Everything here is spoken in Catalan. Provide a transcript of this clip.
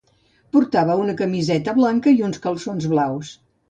Portava una camiseta blanca i uns calçons blaus.